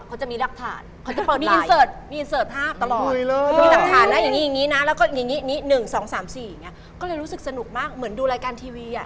ก็เลยรู้สึกสนุกมากเหมือนดูรายการทีวีอ่ะ